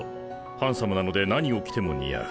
ハンサムなので何を着ても似合う。